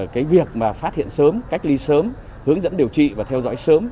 cái việc mà phát hiện sớm cách ly sớm hướng dẫn điều trị và theo dõi sớm